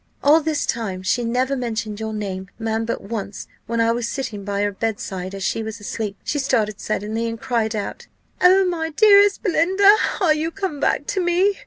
All this time she never mentioned your name, ma'am; but once, when I was sitting by her bedside, as she was asleep, she started suddenly, and cried out, 'Oh, my dearest Belinda! are you come back to me?